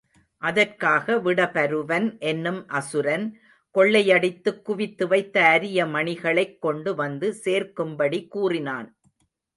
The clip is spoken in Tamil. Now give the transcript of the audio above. அதற்காக விடபருவன் என்னும் அசுரன் கொள்ளையடித்துக் குவித்து வைத்த அரிய மணிகளைக் கொண்டு வந்து சேர்க்கும்படி கூறினான்.